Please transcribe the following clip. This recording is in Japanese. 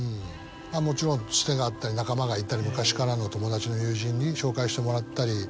もちろんツテがあったり仲間がいたり昔からの友達の友人に紹介してもらったり。